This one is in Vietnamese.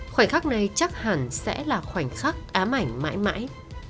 khoảnh khắc này chắc hẳn sẽ là khoảnh khắc ám ảnh mãi mãi